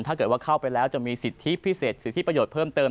ถ้าเกิดว่าเข้าไปแล้วจะมีสิทธิพิเศษสิทธิประโยชน์เพิ่มเติม